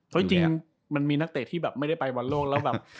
เพราะจริงมันมีนักเตะที่แบบไม่ได้ไปบอลโลกแล้วแบบ